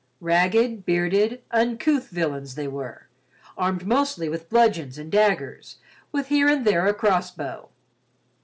Ragged, bearded, uncouth villains they were, armed mostly with bludgeons and daggers, with here and there a cross bow.